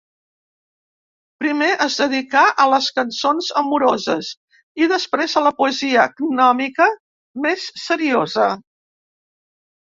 Primer es dedicà a les cançons amoroses, i després a la poesia gnòmica més seriosa.